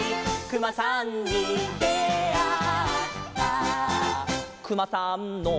「くまさんの」